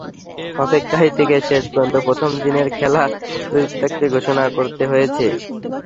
অপেক্ষায় থেকে শেষ পর্যন্ত প্রথম দিনের খেলা পরিত্যক্তই ঘোষণা করতে হয়েছে।